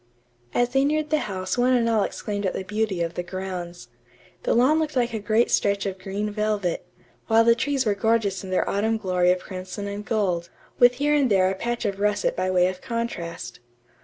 As they neared the house one and all exclaimed at the beauty of the grounds. The lawn looked like a great stretch of green velvet, while the trees were gorgeous in their autumn glory of crimson and gold, with here and there a patch of russet by way of contrast.